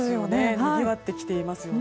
にぎわってきていますね。